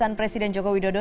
pemunisan presiden jokowi dodo